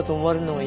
はい。